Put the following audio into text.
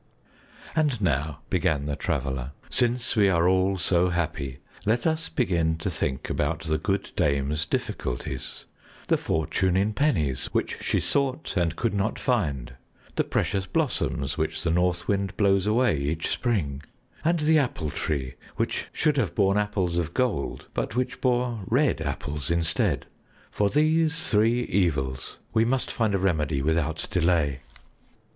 "And now," began the Traveler, "since we are all so happy, let us begin to think about the good dame's difficulties, the fortune in pennies which she sought and could not find, the precious blossoms which the North Wind blows away each spring, and the Apple Tree which should have borne apples of gold, but which bore red apples instead. For these three evils we must find a remedy without delay."